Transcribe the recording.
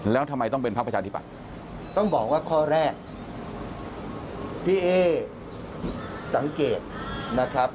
แล้วทำไมต้องเป็นพักประชาธิบัติต้องบอกว่าข้อแรกพี่เอ๊สังเกตนะครับ